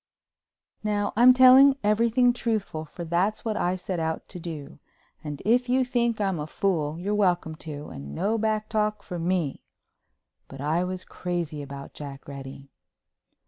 Now I'm telling everything truthful, for that's what I set out to do, and if you think I'm a fool you're welcome to and no back talk from me—but I was crazy about Jack Reddy.